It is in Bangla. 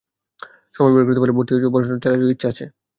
সময় বের করতে পারলে ভর্তি হয়ে পড়াশোনাটা চালিয়ে যাওয়ার ইচ্ছে আছে।